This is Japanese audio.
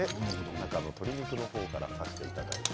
中の鶏肉の方から刺していただいて。